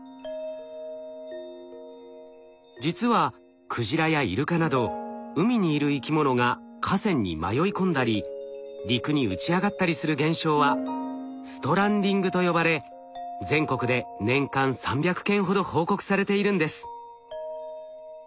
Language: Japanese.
実はクジラやイルカなど海にいる生き物が河川に迷い込んだり陸に打ち上がったりする現象は「ストランディング」と呼ばれ全国で年間３００件ほど報告されているんです。